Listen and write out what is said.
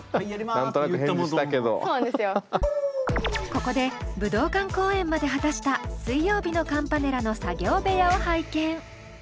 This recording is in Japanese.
ここで武道館公演まで果たした水曜日のカンパネラの作業部屋を拝見。